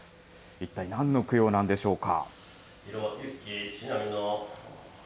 一体なんの供養なんでしょうか。